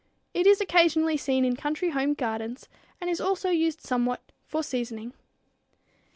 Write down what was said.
It is occasionally seen in country home gardens, and is also used somewhat for seasoning.